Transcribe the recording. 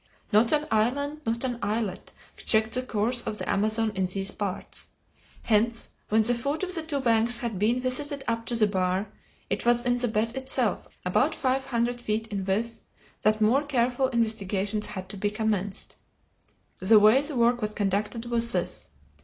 Not an island, not an islet, checked the course of the Amazon in these parts. Hence, when the foot of the two banks had been visited up to the bar, it was in the bed itself, about five hundred feet in width, that more careful investigations had to be commenced. The way the work was conducted was this.